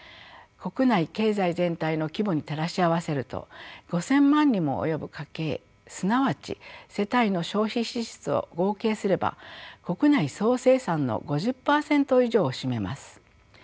国内経済全体の規模に照らし合わせると５，０００万にも及ぶ家計すなわち世帯の消費支出を合計すれば国内総生産の５０％以上を占めます。